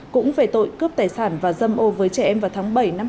cũng về tội cướp tài sản và dâm ô với trẻ em vào tháng bảy năm hai nghìn hai mươi ba